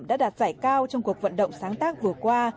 đã đạt giải cao trong cuộc vận động sáng tác vừa qua